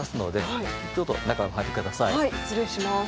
はい失礼します。